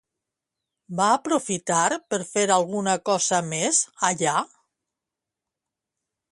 Va aprofitar per fer alguna cosa més, allà?